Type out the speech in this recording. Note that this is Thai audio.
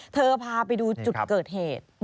พาไปดูจุดเกิดเหตุ